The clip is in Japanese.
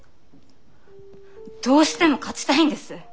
どうしても勝ちたいんです！